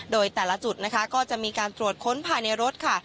โดยแต่ละจุดนะคะก็จะมีการตรวจค้นภายในรถค่ะ